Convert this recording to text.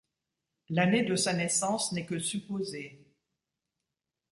L’année de sa naissance n’est que supposée.